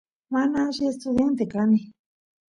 mana alli estudiante kani